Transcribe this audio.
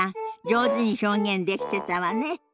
上手に表現できてたわね。